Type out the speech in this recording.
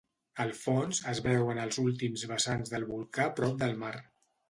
Al fons, es veuen els últims vessants del volcà prop del mar.